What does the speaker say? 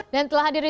dan telah hadir di